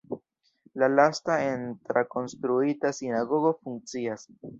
La lasta en trakonstruita sinagogo funkcias.